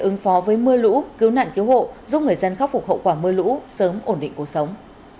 ứng phó với mưa lũ cứu nạn cứu hộ giúp người dân khắc phục hậu quả mưa lũ sớm ổn định cuộc sống